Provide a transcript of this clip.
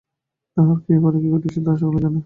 তাহার পরে কী ঘটিয়াছে তাহা সকলেই জানেন।